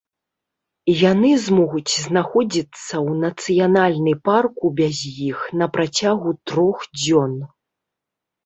Яны змогуць знаходзіцца ў нацыянальны парку без іх на працягу трох дзён.